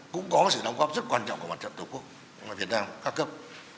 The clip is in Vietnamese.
cũng có sự đóng góp rất quan trọng của mặt trận tổ quốc việt nam ca cấp